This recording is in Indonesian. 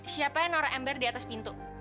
siapa yang norak ember di atas pintu